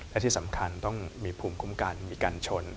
และที่สำคัญต้องมีภูมิคุ้มกันมีการชน